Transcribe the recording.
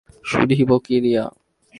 শুধিব কী দিয়া?